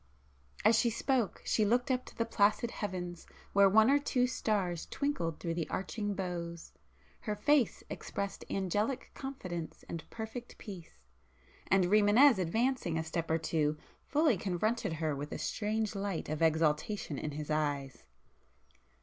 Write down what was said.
As she spoke, she looked up to the placid heavens where one or two stars twinkled through the arching boughs,—her face expressed angelic confidence and perfect peace,—and Rimânez advancing a step or two, fully confronted her with a strange light of exultation in his eyes.